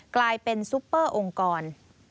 กลายเป็นซุปเปอร์องค์กร